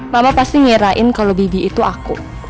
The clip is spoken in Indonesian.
mama pasti ngirain kalau bibi itu aku